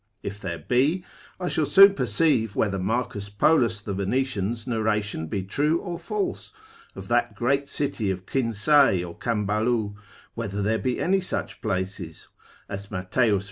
If there be, I shall soon perceive whether Marcus Polus the Venetian's narration be true or false, of that great city of Quinsay and Cambalu; whether there be any such places, or that as Matth.